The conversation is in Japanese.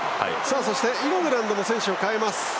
そして、イングランドが選手を代えます。